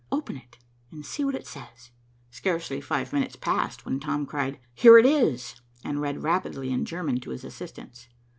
Open it, and see what it says." Scarcely five minutes passed, when Tom cried, "Here it is," and read rapidly in German to his assistants.